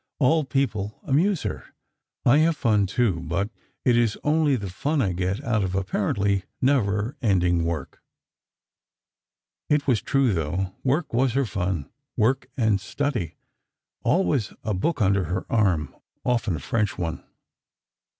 All people amuse her.... I have fun, too, but it is only the fun I get out of apparently never ending work." It was true, though: Work was her "fun"—work and study—always a book under her arm: often a French one.